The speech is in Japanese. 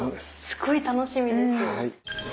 すごい楽しみです！